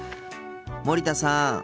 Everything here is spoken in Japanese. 森田さん。